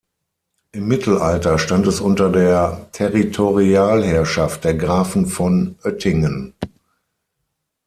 Im Mittelalter stand es unter der Territorialherrschaft der Grafen von Oettingen.